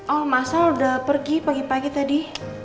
oh masa sudah pergi pagi pagi tadi